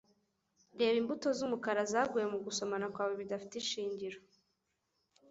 Reba imbuto z'umukara zaguye mu gusomana kwawe bidafite ishingiro